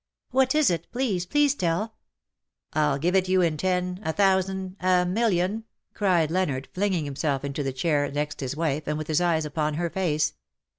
"What is it? Please, please tell." " I give it you in ten — a thousand — a million \" 1208 ''but it sufficetHj cried Leonard^ flinging himself into the chair next his wife, and with his eyes upon her face.